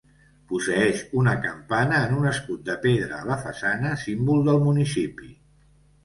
Posseeix una campana en un escut de pedra a la façana, símbol del municipi.